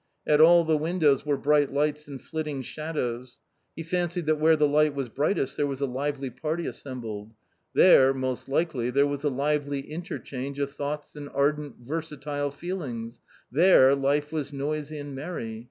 At all the windows were bright lights and flitting shadows. He fancied that where the light was brightest there was a lively party assembled ; there, most likely, there was a lively interchange of thoughts and ardent, versatile feelings, there life was noisy and merry.